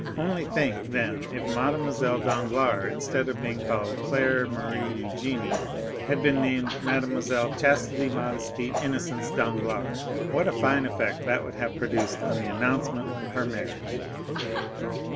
Only think, then, if Mademoiselle Danglars, instead of being called Claire Marie Eugénie, had been named Mademoiselle Chastity Modesty Innocence Danglars; what a fine effect that would have produced on the announcement of her marriage!"